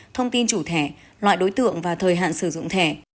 thông tin chủ thẻ loại đối tượng và thời hạn sử dụng thẻ